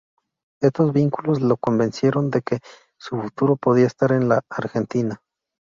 Estos vínculos lo convencieron de que su futuro podía estar en la Argentina.